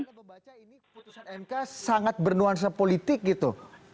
tapi kalau kita membaca ini putusan mk sangat bernuansa politik gitu